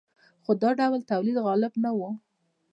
خو دا ډول تولید غالب نه و.